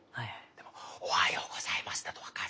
でも「おはようございます」だと分かる。